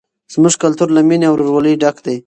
زموږ کلتور له مینې او ورورولۍ ډک دی.